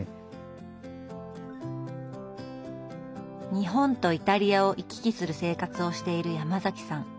日本とイタリアを行き来する生活をしているヤマザキさん。